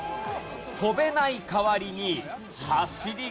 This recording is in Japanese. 飛べない代わりに走りが得意。